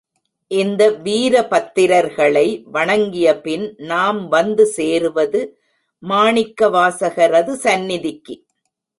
இந்த வீரபத்திரர்களை வணங்கியபின் நாம் வந்து சேருவது மாணிக்கவாசகரது சந்நிதிக்கு.